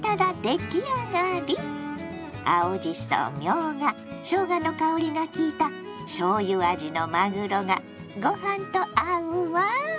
青じそみょうがしょうがの香りがきいたしょうゆ味のまぐろがごはんと合うわ。